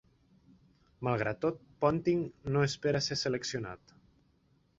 Malgrat tot, Ponting no espera ser seleccionat.